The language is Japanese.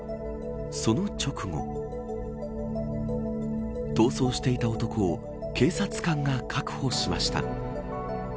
その直後逃走していた男を警察官が確保しました。